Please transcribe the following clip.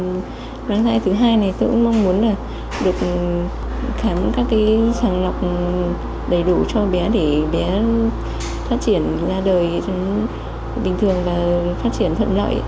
đến lần mang thai thứ hai này tôi cũng mong muốn được khám các sáng loạc đầy đủ cho bé để bé phát triển ra đời bình thường và phát triển thuận lợi